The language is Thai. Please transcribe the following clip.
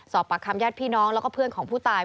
ปากคำญาติพี่น้องแล้วก็เพื่อนของผู้ตาย